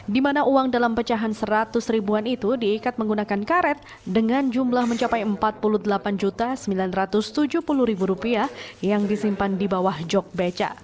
dimana uang dalam pecahan seratus ribuan itu diikat menggunakan karet dengan jumlah mencapai empat puluh delapan juta sembilan ratus tujuh puluh ribu rupiah yang disimpan di bawah jog becak